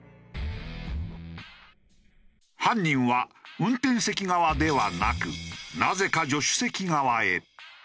犯人は運転席側ではなくなぜか助手席側へ。